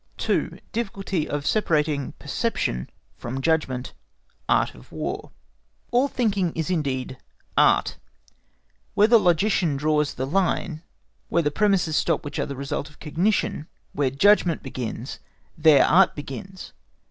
2. DIFFICULTY OF SEPARATING PERCEPTION FROM JUDGMENT. (ART OF WAR.) All thinking is indeed Art. Where the logician draws the line, where the premises stop which are the result of cognition—where judgment begins, there Art begins.